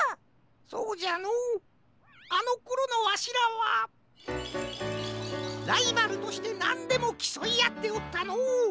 そうじゃのうあのころのわしらはライバルとしてなんでもきそいあっておったのう。